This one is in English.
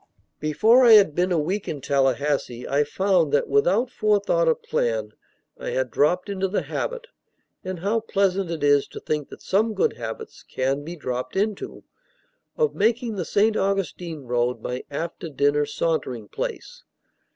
Before I had been a week in Tallahassee I found that, without forethought or plan, I had dropped into the habit (and how pleasant it is to think that some good habits can be dropped into!) of making the St. Augustine road my after dinner sauntering place.